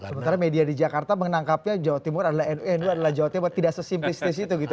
sementara media di jakarta menangkapnya jawa timur adalah nu adalah jawa timur tidak sesimplistis itu gitu